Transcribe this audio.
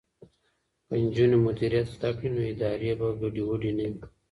که نجونې مدیریت زده کړي نو ادارې به ګډې وډې نه وي.